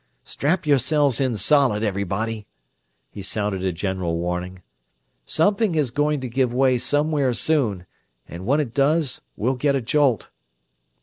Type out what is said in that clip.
"Strap yourselves in solid, everybody!" he sounded a general warning. "Something is going to give way somewhere soon, and when it does we'll get a jolt!"